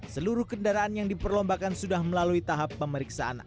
seluruh kendaraan yang diperlombakan sudah melalui tahap pemeriksaan